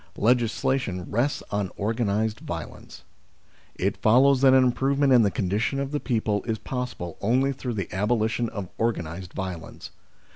Legislation rests on organised violence. It follows that an improvement in the con dition of the people is possible only through the abolition of organised violence.